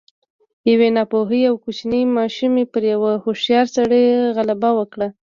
يوې ناپوهې او کوچنۍ ماشومې پر يوه هوښيار سړي غلبه وکړه.